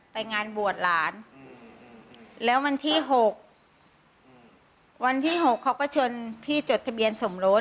ไปงานบวชหลานแล้ววันที่๖วันที่๖เขาก็ชนพี่จดทะเบียนสมรส